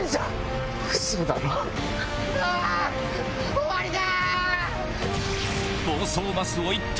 終わりだ！